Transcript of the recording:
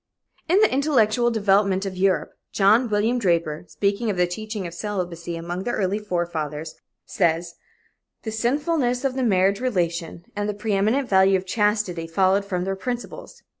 In the Intellectual Development of Europe, John William Draper, speaking of the teaching of celibacy among the Early Fathers, [Footnote: 2 Vol. 1, page 426.] says: "The sinfulness of the marriage relation and the preeminent value of chastity followed from their principles.